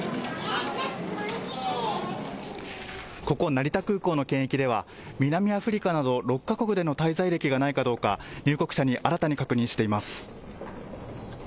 ここ成田空港の検疫では南アフリカなど６か国での滞在歴がないかどうか入国者に新たに確認しています。